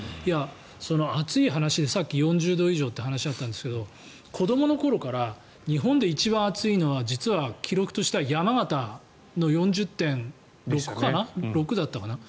暑い話でさっき４０度以上という話があったんですが子どもの頃から日本で一番暑いのは実は記録としては山形の４０．６だったかな。